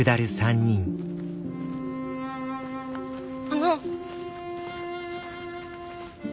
あの。